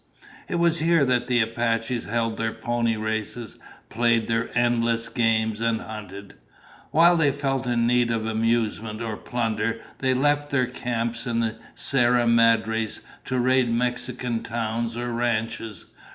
It was here that the Apaches held their pony races, played their endless games, and hunted. When they felt in need of amusement or plunder, they left their camps in the Sierra Madres to raid Mexican towns or ranches.